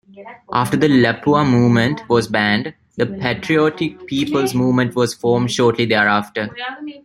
After the Lapua Movement was banned, the Patriotic People's Movement was formed shortly thereafter.